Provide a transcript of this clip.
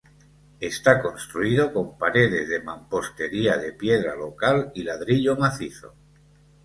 Está construido con paredes de mampostería de piedra local y ladrillo macizo.